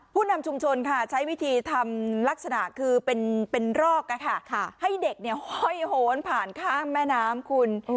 นำชุมชนค่ะใช้วิธีทำลักษณะคือเป็นรอกให้เด็กห้อยโหนผ่านข้ามแม่น้ำคุณ